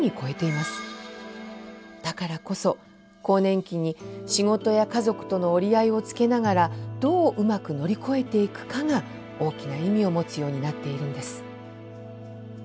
だからこそ更年期に仕事や家族との折り合いをつけながらどううまく乗り越えていくかが大きな意味を持つようになっているんです。